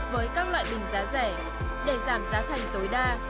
với các loại bình giá rẻ để giảm giá thành tối đa